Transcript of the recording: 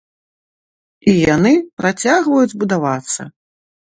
І яны працягваюць будавацца.